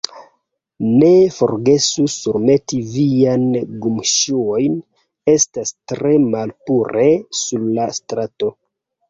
Ne forgesu surmeti viajn gumŝuojn; estas tre malpure sur la strato.